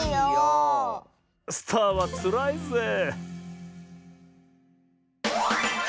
スターはつらいぜえ。